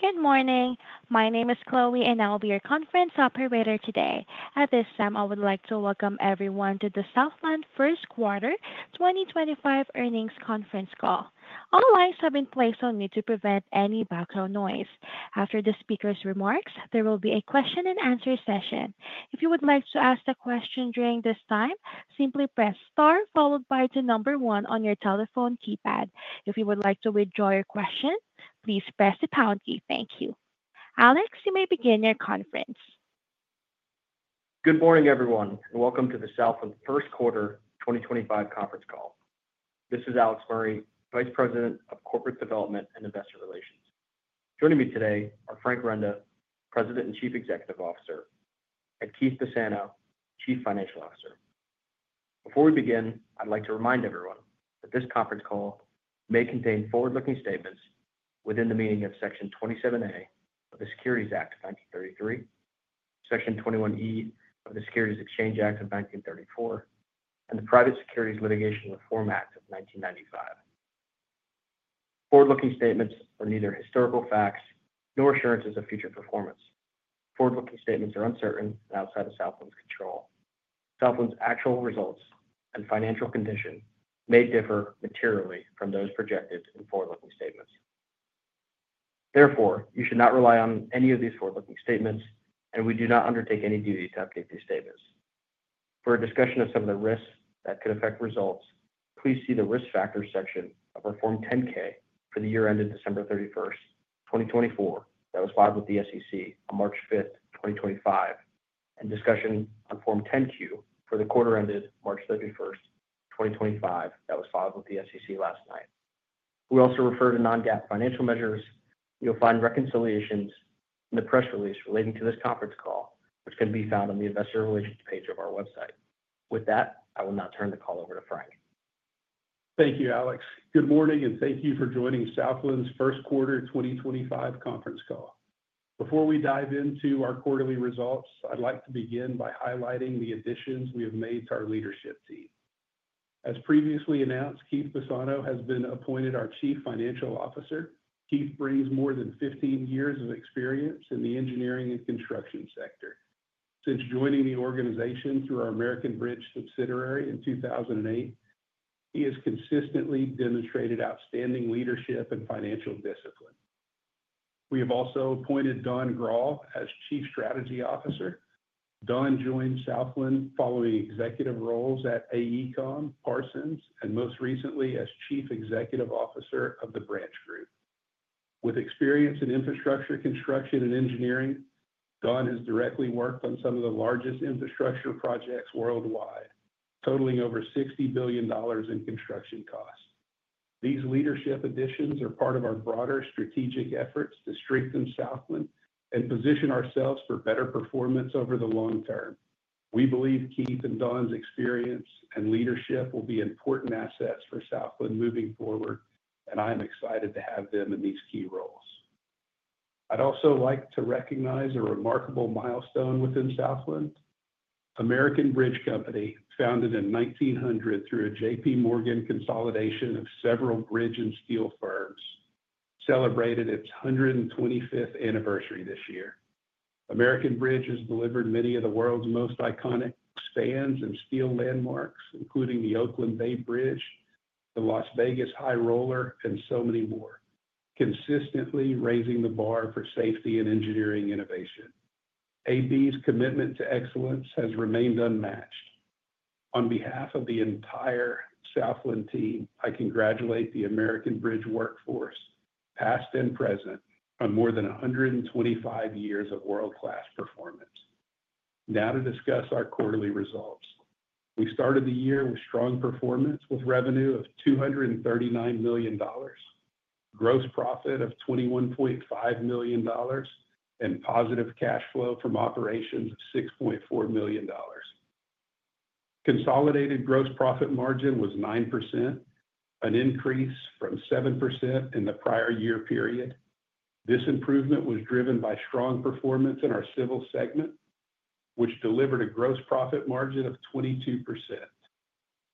Good morning. My name is Chloe, and I'll be your conference operator today. At this time, I would like to welcome everyone to the Southland First Quarter 2025 earnings conference call. All lines have been placed on mute to prevent any background noise. After the speaker's remarks, there will be a question-and-answer session. If you would like to ask a question during this time, simply press star followed by the number one on your telephone keypad. If you would like to withdraw your question, please press the pound key. Thank you. Alex, you may begin your conference. Good morning, everyone, and welcome to the Southland First Quarter 2025 conference call. This is Alex Murray, Vice President of Corporate Development and Investor Relations. Joining me today are Frank Renda, President and Chief Executive Officer, and Keith Bassano, Chief Financial Officer. Before we begin, I'd like to remind everyone that this conference call may contain forward-looking statements within the meaning of Section 27A of the Securities Act of 1933, Section 21E of the Securities Exchange Act of 1934, and the Private Securities Litigation Reform Act of 1995. Forward-looking statements are neither historical facts nor assurances of future performance. Forward-looking statements are uncertain and outside of Southland's control. Southland's actual results and financial condition may differ materially from those projected in forward-looking statements. Therefore, you should not rely on any of these forward-looking statements, and we do not undertake any duty to update these statements. For a discussion of some of the risks that could affect results, please see the risk factors section of our Form 10-K for the year ended December 31, 2024 that was filed with the SEC on March 5, 2025, and discussion on Form 10-Q for the quarter ended March 31, 2025 that was filed with the SEC last night. We also refer to non-GAAP financial measures. You'll find reconciliations in the press release relating to this conference call, which can be found on the Investor Relations page of our website. With that, I will now turn the call over to Frank. Thank you, Alex. Good morning, and thank you for joining Southland's First Quarter 2025 conference call. Before we dive into our quarterly results, I'd like to begin by highlighting the additions we have made to our leadership team. As previously announced, Keith Bassano has been appointed our Chief Financial Officer. Keith brings more than 15 years of experience in the engineering and construction sector. Since joining the organization through our American Bridge subsidiary in 2008, he has consistently demonstrated outstanding leadership and financial discipline. We have also appointed Don Graul as Chief Strategy Officer. Don joined Southland following executive roles at AECOM, Parsons, and most recently as Chief Executive Officer of the Branch Group. With experience in infrastructure construction and engineering, Don has directly worked on some of the largest infrastructure projects worldwide, totaling over $60 billion in construction costs. These leadership additions are part of our broader strategic efforts to strengthen Southland and position ourselves for better performance over the long term. We believe Keith and Don's experience and leadership will be important assets for Southland moving forward, and I am excited to have them in these key roles. I'd also like to recognize a remarkable milestone within Southland. American Bridge Company, founded in 1900 through a JPMorgan consolidation of several bridge and steel firms, celebrated its 125th anniversary this year. American Bridge has delivered many of the world's most iconic spans and steel landmarks, including the Oakland Bay Bridge, the Las Vegas High Roller, and so many more, consistently raising the bar for safety and engineering innovation. AB's commitment to excellence has remained unmatched. On behalf of the entire Southland team, I congratulate the American Bridge workforce, past and present, on more than 125 years of world-class performance. Now to discuss our quarterly results. We started the year with strong performance with revenue of $239 million, gross profit of $21.5 million, and positive cash flow from operations of $6.4 million. Consolidated gross profit margin was 9%, an increase from 7% in the prior year period. This improvement was driven by strong performance in our Civil segment, which delivered a gross profit margin of 22%.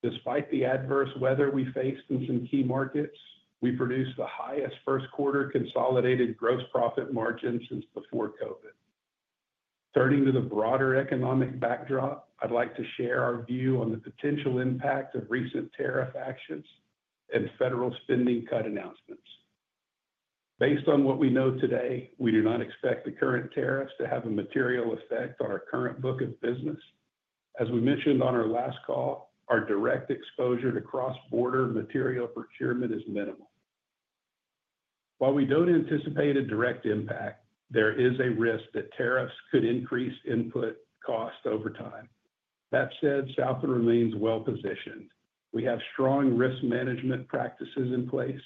Despite the adverse weather we faced in some key markets, we produced the highest first-quarter consolidated gross profit margin since before COVID. Turning to the broader economic backdrop, I'd like to share our view on the potential impact of recent tariff actions and federal spending cut announcements. Based on what we know today, we do not expect the current tariffs to have a material effect on our current book of business. As we mentioned on our last call, our direct exposure to cross-border material procurement is minimal. While we do not anticipate a direct impact, there is a risk that tariffs could increase input cost over time. That said, Southland remains well-positioned. We have strong risk management practices in place,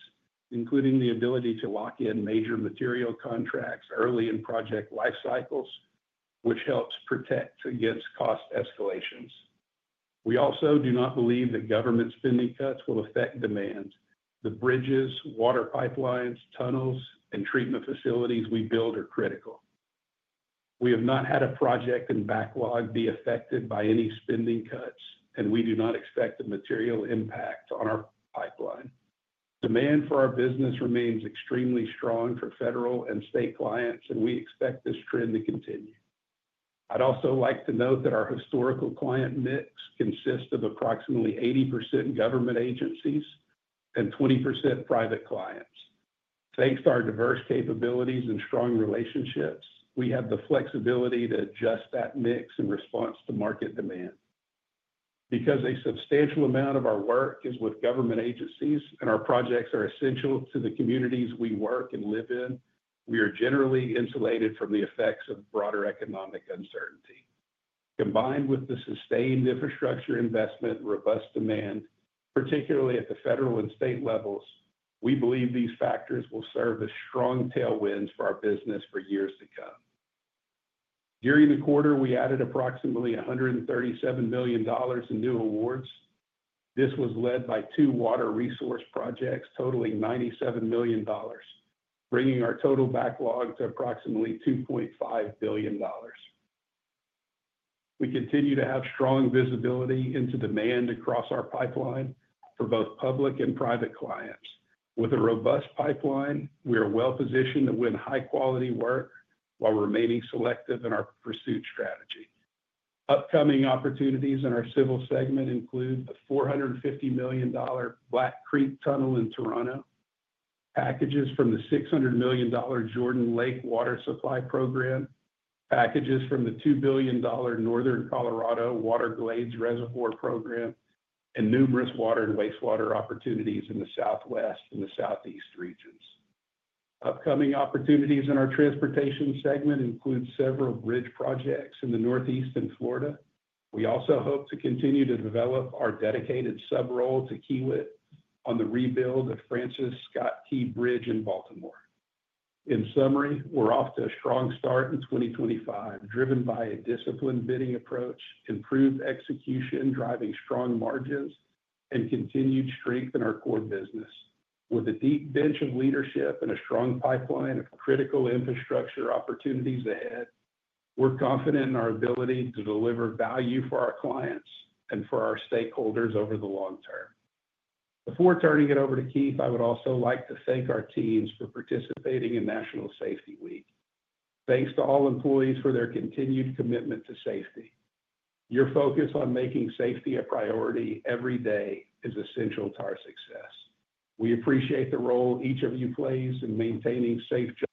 including the ability to lock in major material contracts early in project life cycles, which helps protect against cost escalations. We also do not believe that government spending cuts will affect demand. The bridges, water pipelines, tunnels, and treatment facilities we build are critical. We have not had a project in backlog be affected by any spending cuts, and we do not expect a material impact on our pipeline. Demand for our business remains extremely strong for federal and state clients, and we expect this trend to continue. I'd also like to note that our historical client mix consists of approximately 80% government agencies and 20% private clients. Thanks to our diverse capabilities and strong relationships, we have the flexibility to adjust that mix in response to market demand. Because a substantial amount of our work is with government agencies and our projects are essential to the communities we work and live in, we are generally insulated from the effects of broader economic uncertainty. Combined with the sustained infrastructure investment and robust demand, particularly at the federal and state levels, we believe these factors will serve as strong tailwinds for our business for years to come. During the quarter, we added approximately $137 million in new awards. This was led by two water resource projects totaling $97 million, bringing our total backlog to approximately $2.5 billion. We continue to have strong visibility into demand across our pipeline for both public and private clients. With a robust pipeline, we are well-positioned to win high-quality work while remaining selective in our pursuit strategy. Upcoming opportunities in our Civil segment include the $450 million Black Creek Tunnel in Toronto, packages from the $600 million Jordan Lake Water Supply Program, packages from the $2 billion Northern Colorado Water Glades Reservoir Program, and numerous water and wastewater opportunities in the Southwest and the Southeast regions. Upcoming opportunities in our Transportation segment include several bridge projects in Northeastern Florida. We also hope to continue to develop our dedicated sub-role to Keywood on the rebuild of Francis Scott Key Bridge in Baltimore. In summary, we're off to a strong start in 2025, driven by a disciplined bidding approach, improved execution driving strong margins, and continued strength in our core business. With a deep bench of leadership and a strong pipeline of critical infrastructure opportunities ahead, we're confident in our ability to deliver value for our clients and for our stakeholders over the long term. Before turning it over to Keith, I would also like to thank our teams for participating in National Safety Week. Thanks to all employees for their continued commitment to safety. Your focus on making safety a priority every day is essential to our success. We appreciate the role each of you plays in maintaining safety.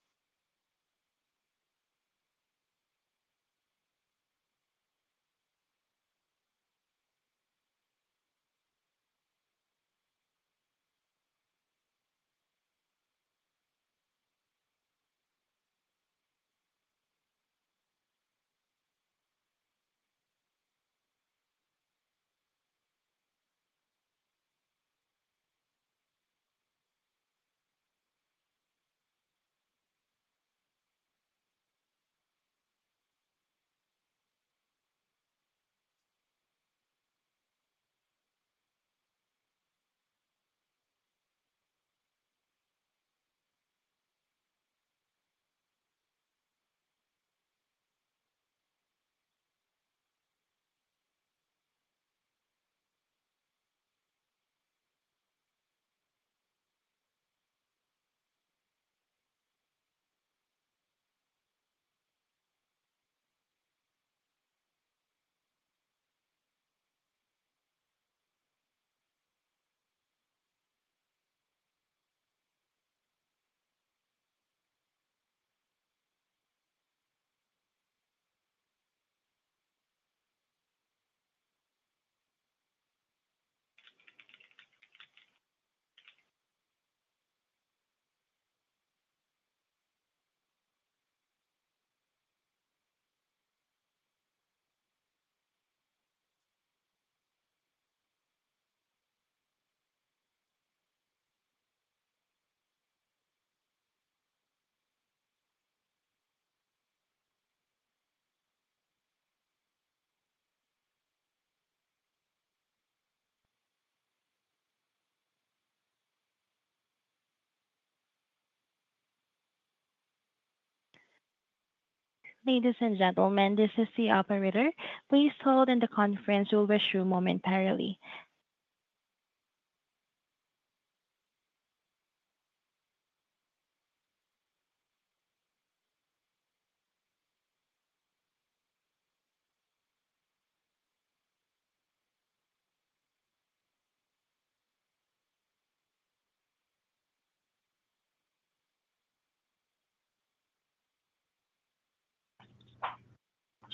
Ladies and gentlemen, this is the operator. Please hold in the conference over a short momentarily.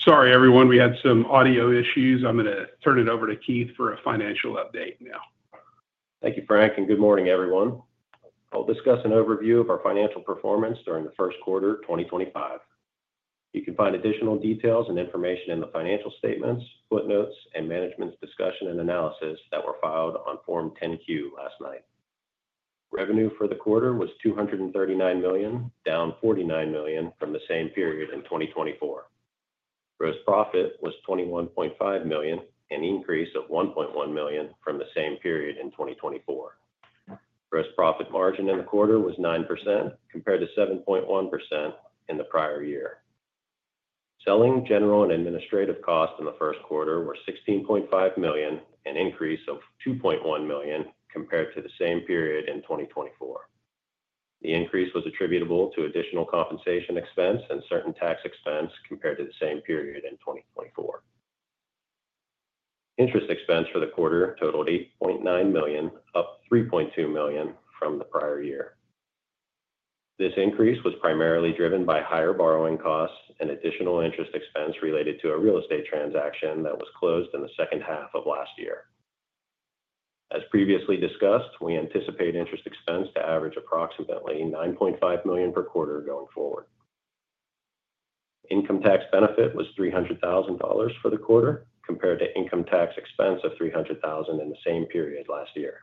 Sorry, everyone. We had some audio issues. I'm going to turn it over to Keith for a financial update now. Thank you, Frank. Good morning, everyone. I'll discuss an overview of our financial performance during the first quarter of 2025. You can find additional details and information in the financial statements, footnotes, and management's discussion and analysis that were filed on Form 10-Q last night. Revenue for the quarter was $239 million, down $49 million from the same period in 2024. Gross profit was $21.5 million, an increase of $1.1 million from the same period in 2024. Gross profit margin in the quarter was 9% compared to 7.1% in the prior year. Selling, general, and administrative costs in the first quarter were $16.5 million, an increase of $2.1 million compared to the same period in 2024. The increase was attributable to additional compensation expense and certain tax expense compared to the same period in 2024. Interest expense for the quarter totaled $8.9 million, up $3.2 million from the prior year. This increase was primarily driven by higher borrowing costs and additional interest expense related to a real estate transaction that was closed in the second half of last year. As previously discussed, we anticipate interest expense to average approximately $9.5 million per quarter going forward. Income tax benefit was $300,000 for the quarter compared to income tax expense of $300,000 in the same period last year.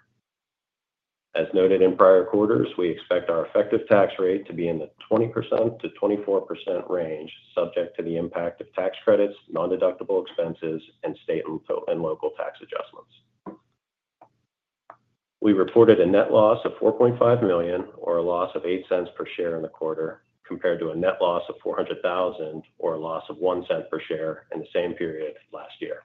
As noted in prior quarters, we expect our effective tax rate to be in the 20%-24% range, subject to the impact of tax credits, non-deductible expenses, and state and local tax adjustments. We reported a net loss of $4.5 million, or a loss of $0.08 per share in the quarter, compared to a net loss of $400,000, or a loss of $0.01 per share in the same period last year.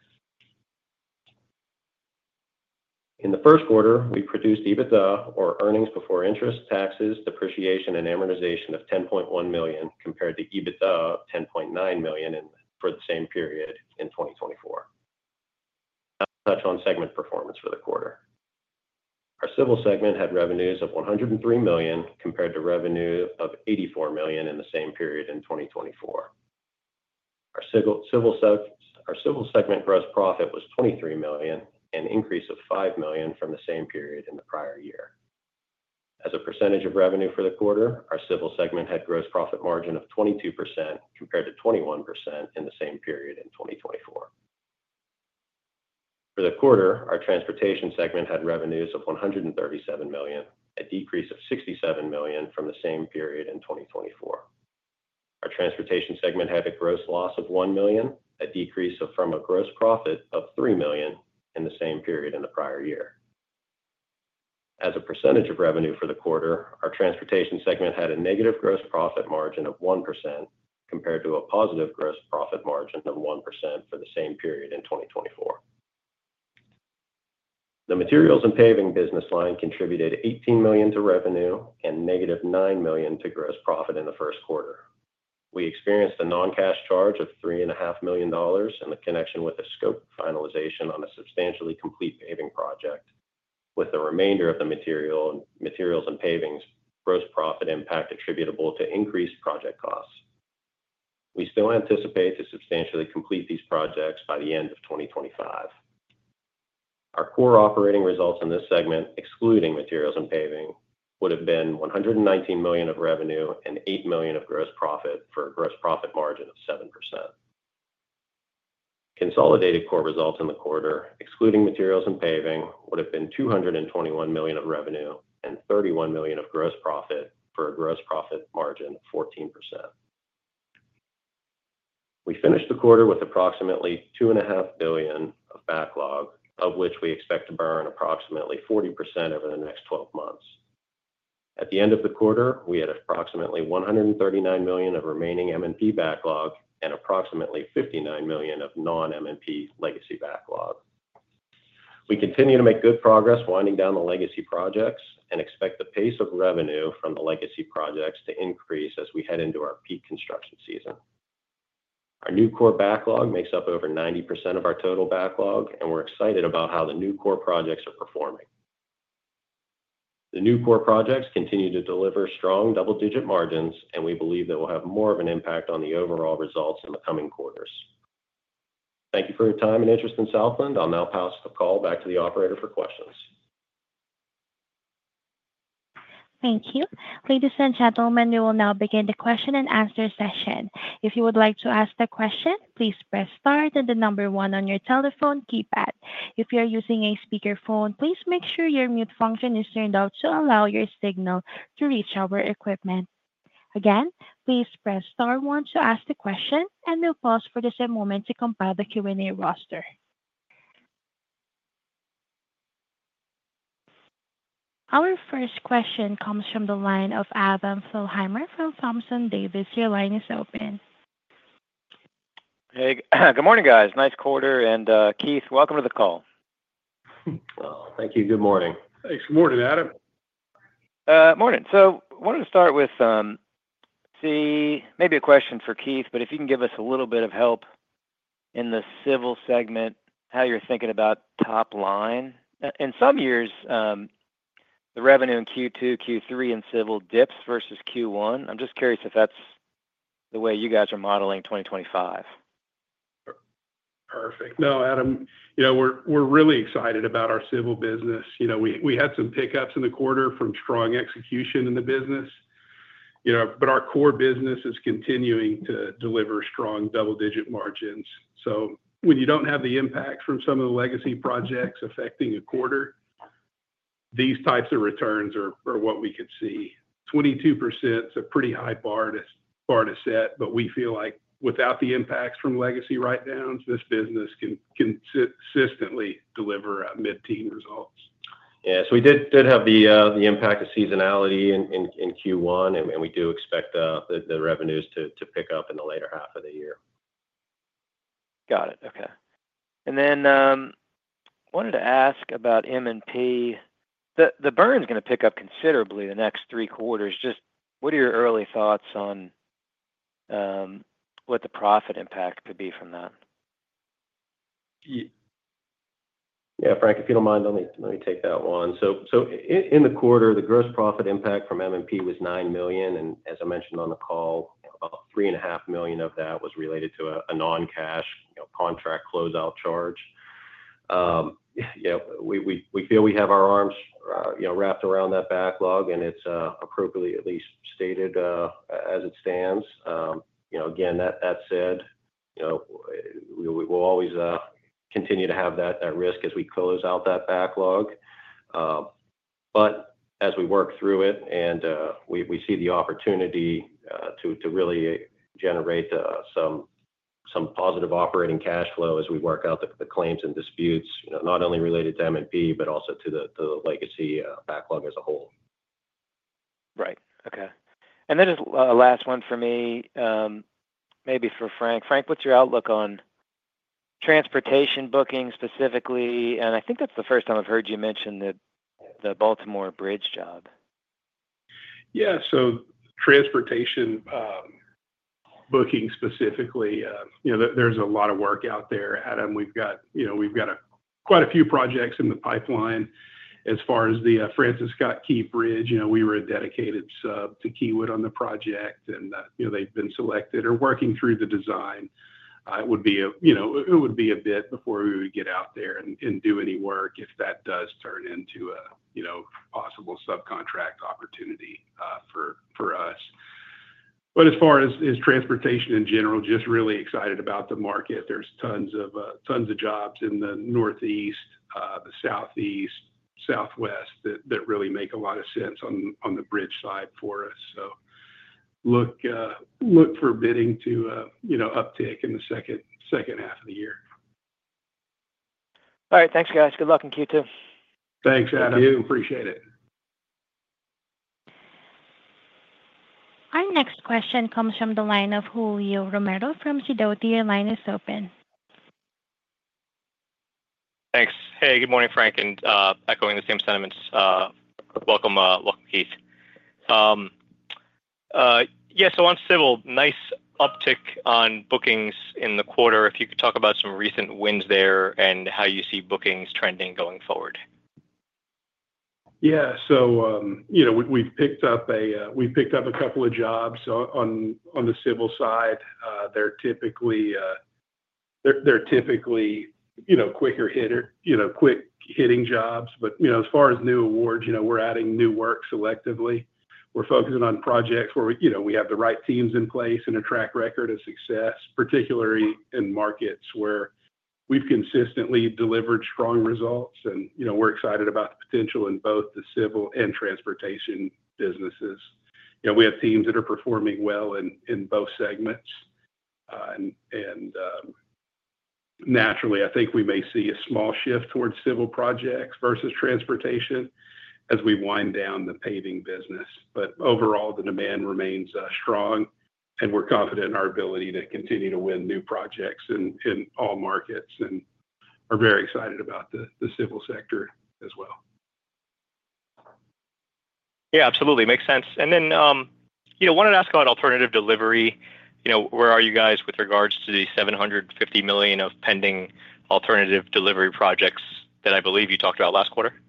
In the first quarter, we produced EBITDA, or earnings before interest, taxes, depreciation, and amortization of $10.1 million, compared to EBITDA of $10.9 million for the same period in 2024. Now, I'll touch on segment performance for the quarter. Our Civil segment had revenues of $103 million compared to revenue of $84 million in the same period in 2024. Our Civil segment gross profit was $23 million, an increase of $5 million from the same period in the prior year. As a percentage of revenue for the quarter, our Civil segment had gross profit margin of 22% compared to 21% in the same period in 2024. For the quarter, our Transportation segment had revenues of $137 million, a decrease of $67 million from the same period in 2024. Our Transportation segment had a gross loss of $1 million, a decrease from a gross profit of $3 million in the same period in the prior year. As a percentage of revenue for the quarter, our Transportation segment had a negative gross profit margin of 1% compared to a positive gross profit margin of 1% for the same period in 2024. The Materials and Paving business line contributed $18 million to revenue and negative $9 million to gross profit in the first quarter. We experienced a non-cash charge of $3.5 million in connection with a scope finalization on a substantially complete paving project, with the remainder of the Materials and Paving's gross profit impact attributable to increased project costs. We still anticipate to substantially complete these projects by the end of 2025. Our core operating results in this segment, excluding Materials and Paving, would have been $119 million of revenue and $8 million of gross profit for a gross profit margin of 7%. Consolidated core results in the quarter, excluding Materials and Paving, would have been $221 million of revenue and $31 million of gross profit for a gross profit margin of 14%. We finished the quarter with approximately $2.5 billion of backlog, of which we expect to burn approximately 40% over the next 12 months. At the end of the quarter, we had approximately $139 million of remaining M&P backlog and approximately $59 million of non-M&P legacy backlog. We continue to make good progress winding down the legacy projects and expect the pace of revenue from the legacy projects to increase as we head into our peak construction season. Our new core backlog makes up over 90% of our total backlog, and we're excited about how the new core projects are performing. The new core projects continue to deliver strong double-digit margins, and we believe they will have more of an impact on the overall results in the coming quarters. Thank you for your time and interest in Southland. I'll now pass the call back to the operator for questions. Thank you. Ladies and gentlemen, we will now begin the question and answer session. If you would like to ask a question, please press star and the number one on your telephone keypad. If you're using a speakerphone, please make sure your mute function is turned off to allow your signal to reach our equipment. Again, please press star one to ask the question, and we'll pause for just a moment to compile the Q&A roster. Our first question comes from the line of Adam Thalhimer from Thomson Davis. Your line is open. Hey, good morning, guys. Nice quarter and Keith, welcome to the call. Thank you. Good morning. Thanks. Good morning, Adam. Morning. I wanted to start with maybe a question for Keith, but if you can give us a little bit of help in the Civil segment, how you're thinking about top line. In some years, the revenue in Q2, Q3, and Civil dips versus Q1. I'm just curious if that's the way you guys are modeling 2025. Perfect. No, Adam, we're really excited about our Civil business. We had some pickups in the quarter from strong execution in the business, but our core business is continuing to deliver strong double-digit margins. When you do not have the impact from some of the legacy projects affecting a quarter, these types of returns are what we could see. 22% is a pretty high bar to set, but we feel like without the impacts from legacy write-downs, this business can consistently deliver mid-teen results. Yeah. So we did have the impact of seasonality in Q1, and we do expect the revenues to pick up in the later half of the year. Got it. Okay. I wanted to ask about M&P. The burn is going to pick up considerably the next three quarters. Just what are your early thoughts on what the profit impact could be from that? Yeah, Frank, if you don't mind, let me take that one. In the quarter, the gross profit impact from M&P was $9 million. As I mentioned on the call, about $3.5 million of that was related to a non-cash contract closeout charge. We feel we have our arms wrapped around that backlog, and it's appropriately at least stated as it stands. That said, we will always continue to have that risk as we close out that backlog. As we work through it, we see the opportunity to really generate some positive operating cash flow as we work out the claims and disputes, not only related to M&P, but also to the legacy backlog as a whole. Right. Okay. And then just a last one for me, maybe for Frank. Frank, what's your outlook on transportation booking specifically? I think that's the first time I've heard you mention the Baltimore Bridge job. Yeah. So transportation booking specifically, there's a lot of work out there, Adam. We've got quite a few projects in the pipeline. As far as the Francis Scott Key Bridge, we were a dedicated sub to Kiewit on the project, and they've been selected or working through the design. It would be a bit before we would get out there and do any work if that does turn into a possible subcontract opportunity for us. As far as transportation in general, just really excited about the market. There's tons of jobs in the northeast, the southeast, southwest that really make a lot of sense on the bridge side for us. Look for bidding to uptick in the second half of the year. All right. Thanks, guys. Good luck in Q2. Thanks, Adam. Thank you. Appreciate it. Our next question comes from the line of Julio Romero from Sidoti. Your line is open. Thanks. Hey, good morning, Frank. And echoing the same sentiments, welcome, Keith. Yeah. On civil, nice uptick on bookings in the quarter. If you could talk about some recent wins there and how you see bookings trending going forward. Yeah. So we've picked up a couple of jobs on the civil side. They're typically quicker hitting jobs. As far as new awards, we're adding new work selectively. We're focusing on projects where we have the right teams in place and a track record of success, particularly in markets where we've consistently delivered strong results. We're excited about the potential in both the civil and transportation businesses. We have teams that are performing well in both segments. Naturally, I think we may see a small shift towards civil projects versus transportation as we wind down the paving business. Overall, the demand remains strong, and we're confident in our ability to continue to win new projects in all markets. We're very excited about the civil sector as well. Yeah, absolutely. Makes sense. I wanted to ask about alternative delivery. Where are you guys with regards to the $750 million of pending alternative delivery projects that I believe you talked about last quarter? Yeah.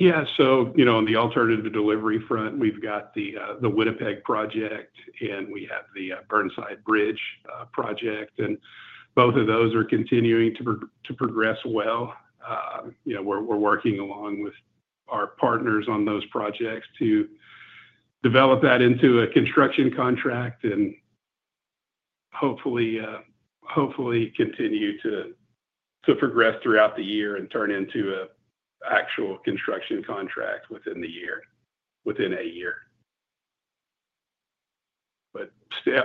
On the alternative delivery front, we've got the Winnipeg project, and we have the Burnside Bridge project. Both of those are continuing to progress well. We're working along with our partners on those projects to develop that into a construction contract and hopefully continue to progress throughout the year and turn into an actual construction contract within a year.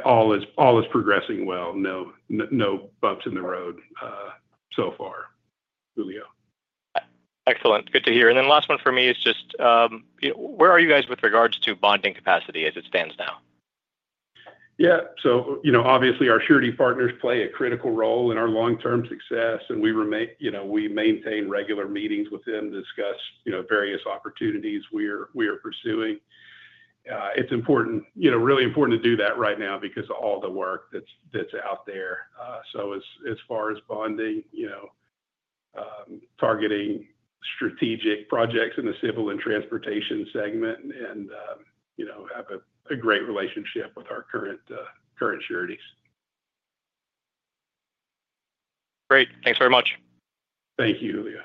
All is progressing well. No bumps in the road so far, Julio. Excellent. Good to hear. Last one for me is just where are you guys with regards to bonding capacity as it stands now? Yeah. So obviously, our surety partners play a critical role in our long-term success, and we maintain regular meetings with them to discuss various opportunities we are pursuing. It's really important to do that right now because of all the work that's out there. As far as bonding, targeting strategic projects in the Civil and Transportation segment, and have a great relationship with our current sureties. Great. Thanks very much. Thank you, Julio.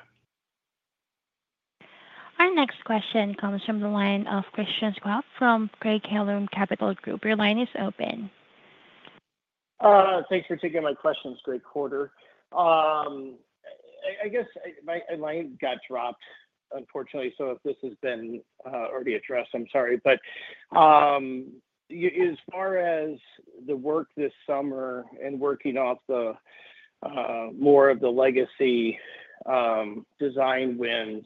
Our next question comes from the line of Christian Schwab from Craig-Hallum Capital Group. Your line is open. Thanks for taking my questions, Greg Quarter. I guess my line got dropped, unfortunately. If this has been already addressed, I'm sorry. As far as the work this summer and working off more of the legacy design wins,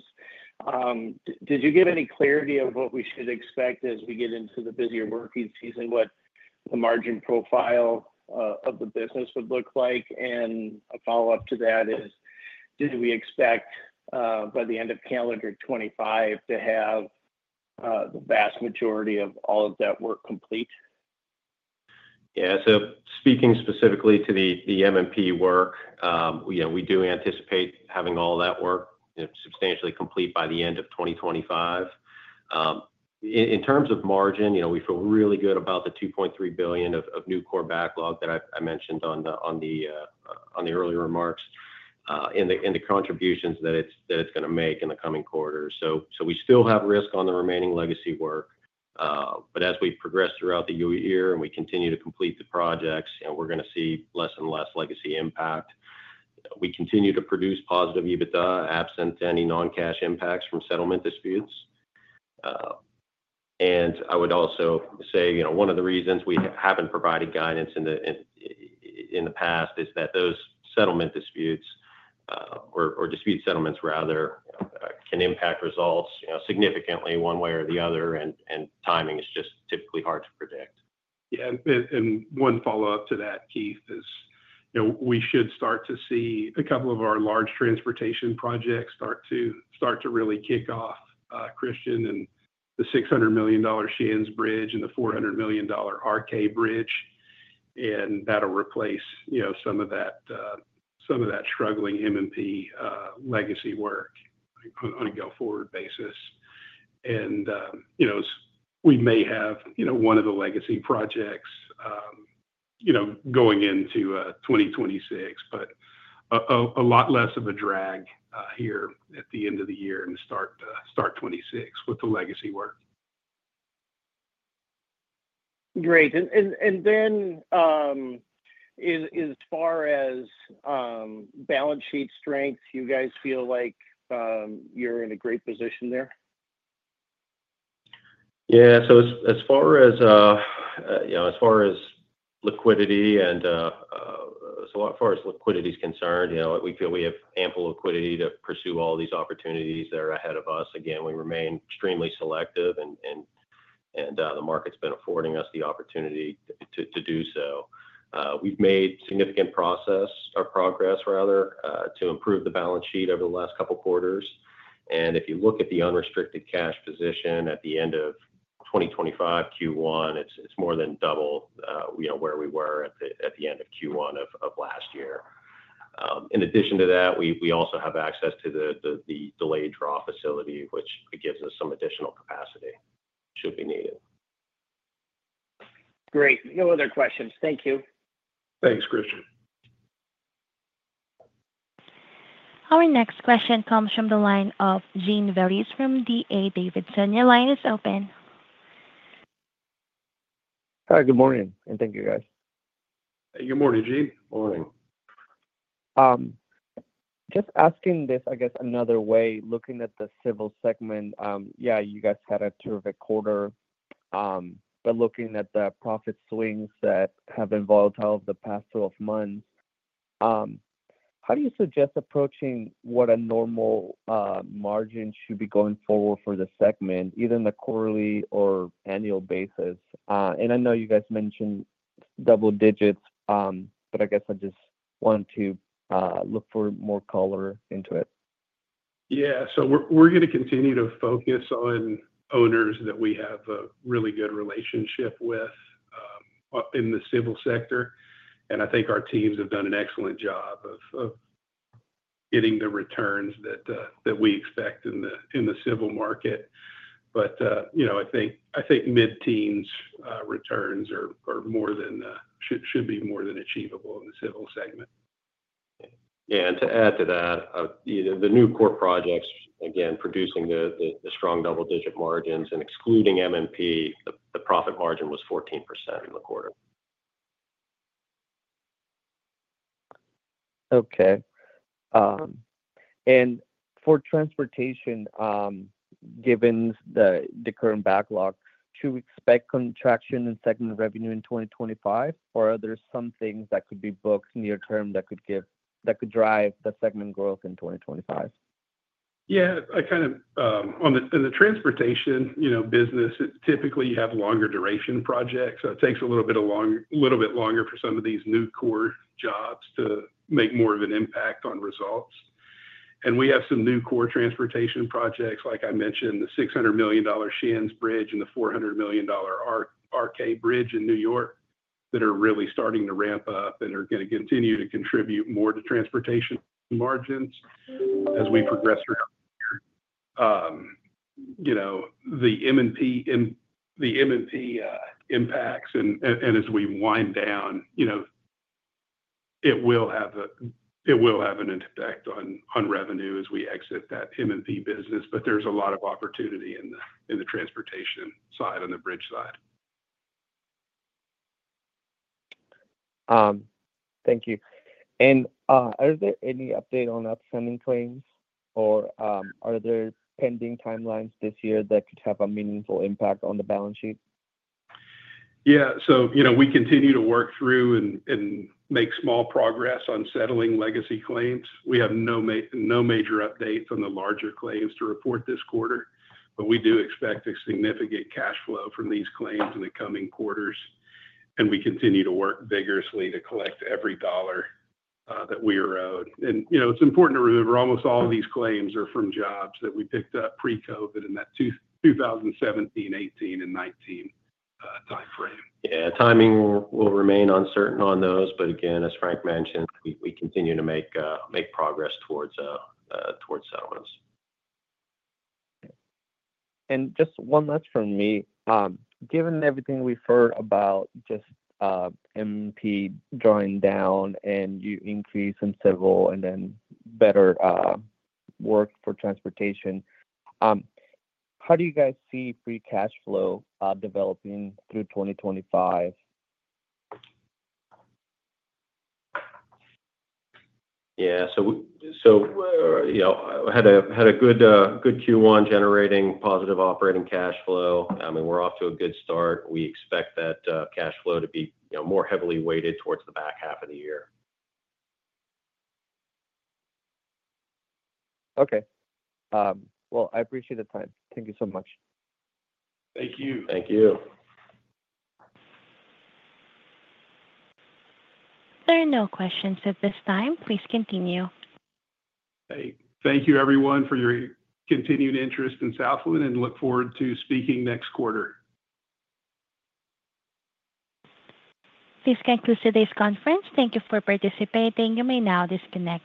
did you get any clarity of what we should expect as we get into the busier working season, what the margin profile of the business would look like? A follow-up to that is, did we expect by the end of calendar 2025 to have the vast majority of all of that work complete? Yeah. Speaking specifically to the M&P work, we do anticipate having all that work substantially complete by the end of 2025. In terms of margin, we feel really good about the $2.3 billion of new core backlog that I mentioned in the earlier remarks and the contributions that it's going to make in the coming quarter. We still have risk on the remaining legacy work. As we progress throughout the year and we continue to complete the projects, we are going to see less and less legacy impact. We continue to produce positive EBITDA absent any non-cash impacts from settlement disputes. I would also say one of the reasons we have not provided guidance in the past is that those settlement disputes, or dispute settlements rather, can impact results significantly one way or the other, and timing is just typically hard to predict. Yeah. One follow-up to that, Keith, is we should start to see a couple of our large transportation projects start to really kick off, Christian, and the $600 million Shands Bridge and the $400 million RK Bridge. That will replace some of that struggling M&P legacy work on a go-forward basis. We may have one of the legacy projects going into 2026, but a lot less of a drag here at the end of the year and start 2026 with the legacy work. Great. As far as balance sheet strength, you guys feel like you're in a great position there? Yeah. As far as liquidity and as far as liquidity is concerned, we feel we have ample liquidity to pursue all these opportunities that are ahead of us. Again, we remain extremely selective, and the market's been affording us the opportunity to do so. We've made significant progress, rather, to improve the balance sheet over the last couple of quarters. If you look at the unrestricted cash position at the end of 2025 Q1, it's more than double where we were at the end of Q1 of last year. In addition to that, we also have access to the Delayed Draw Facility, which gives us some additional capacity should we need it. Great. No other questions. Thank you. Thanks, Christian. Our next question comes from the line of Jean Veliz from D.A. Davidson. Your line is open. Hi, good morning. Thank you, guys. Hey, good morning, Jean. Morning. Just asking this, I guess, another way, looking at the Civil segment, yeah, you guys had a terrific quarter. Looking at the profit swings that have been volatile over the past 12 months, how do you suggest approaching what a normal margin should be going forward for the segment, either on the quarterly or annual basis? I know you guys mentioned double digits, but I guess I just want to look for more color into it. Yeah. We're going to continue to focus on owners that we have a really good relationship with in the civil sector. I think our teams have done an excellent job of getting the returns that we expect in the civil market. I think mid-teens returns should be more than achievable in the civil segment. Yeah. And to add to that, the new core projects, again, producing the strong double-digit margins and excluding M&P, the profit margin was 14% in the quarter. Okay. For transportation, given the current backlog, should we expect contraction in segment revenue in 2025, or are there some things that could be booked near-term that could drive the segment growth in 2025? Yeah. Kind of in the transportation business, typically, you have longer-duration projects. So it takes a little bit longer for some of these new core jobs to make more of an impact on results. And we have some new core transportation projects, like I mentioned, the $600 million Shands Bridge and the $400 million RK Bridge in New York, that are really starting to ramp up and are going to continue to contribute more to transportation margins as we progress throughout the year. The M&P impacts, and as we wind down, it will have an impact on revenue as we exit that M&P business. But there's a lot of opportunity in the transportation side on the bridge side. Thank you. Are there any updates on upcoming claims, or are there pending timelines this year that could have a meaningful impact on the balance sheet? Yeah. We continue to work through and make small progress on settling legacy claims. We have no major updates on the larger claims to report this quarter, but we do expect a significant cash flow from these claims in the coming quarters. We continue to work vigorously to collect every dollar that we are owed. It is important to remember, almost all of these claims are from jobs that we picked up pre-COVID in that 2017, 2018, and 2019 timeframe. Yeah. Timing will remain uncertain on those. Again, as Frank mentioned, we continue to make progress towards settlements. Just one last from me. Given everything we've heard about just M&P drawing down and you increase in civil and then better work for transportation, how do you guys see free cash flow developing through 2025? Yeah. So we had a good Q1 generating positive operating cash flow. I mean, we're off to a good start. We expect that cash flow to be more heavily weighted towards the back half of the year. Okay. I appreciate the time. Thank you so much. Thank you. Thank you. There are no questions at this time. Please continue. Thank you, everyone, for your continued interest in Southland. I look forward to speaking next quarter. This concludes today's conference. Thank you for participating. You may now disconnect.